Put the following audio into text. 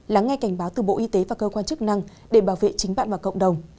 lắng nghe cảnh báo từ bộ y tế và cơ quan chức năng để bảo vệ chính bạn và cộng đồng